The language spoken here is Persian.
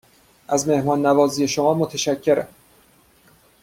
از مهمان نوازی شما متشکرم.